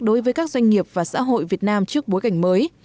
đối với các doanh nghiệp và xã hội việt nam trước bối cảnh mới